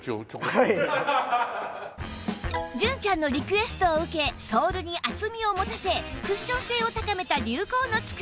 純ちゃんのリクエストを受けソールに厚みを持たせクッション性を高めた流行の作りに